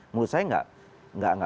menurut saya nggak